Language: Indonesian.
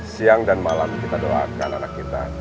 siang dan malam kita doakan anak kita